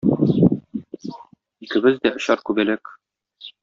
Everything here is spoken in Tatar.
Икебез дә очар күбәләк.